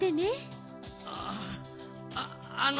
あああの。